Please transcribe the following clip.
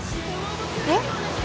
えっ？